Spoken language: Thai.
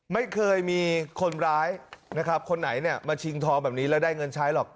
ไม่เคยมีคนร้ายนะครับคนไหนเนี่ยมาชิงทองแบบนี้แล้วได้เงินใช้หรอก